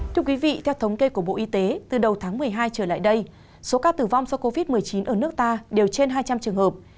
thưa quý vị theo thống kê của bộ y tế từ đầu tháng một mươi hai trở lại đây số ca tử vong do covid một mươi chín ở nước ta đều trên hai trăm linh trường hợp